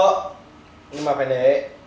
nhưng mà phải lấy